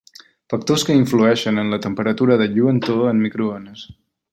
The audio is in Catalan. Factors que influeixen en la temperatura de lluentor en microones.